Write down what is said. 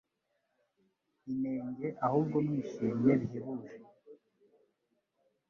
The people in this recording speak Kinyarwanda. inenge ahubwo mwishimye bihebuje